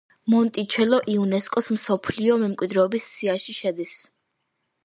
მონტიჩელო იუნესკოს მსოფლიო მემკვიდრეობის სიაში შედის.